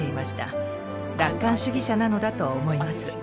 楽観主義者なのだと思います。